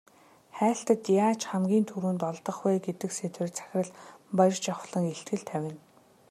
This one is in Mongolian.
Хайлтад яаж хамгийн түрүүнд олдох вэ гэдэг сэдвээр захирал Баяржавхлан илтгэл тавина.